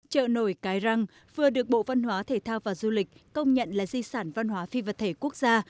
chợ nổi cái răng vừa được bộ văn hóa thể thao và du lịch công nhận là di sản văn hóa phi vật thể quốc gia